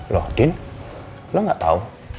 loh din lo gak tahu